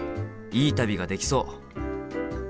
いい旅ができそう。